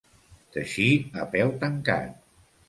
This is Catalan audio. Teixir a peu tancat.